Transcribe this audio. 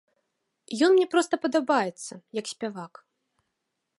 Ён мне проста падабаецца як спявак.